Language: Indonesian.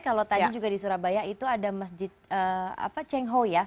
kalau tadi juga di surabaya itu ada masjid cengho ya